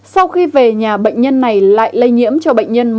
sau khi về nhà bệnh nhân này lại lây nhiễm cho bệnh nhân một ba trăm bốn mươi bảy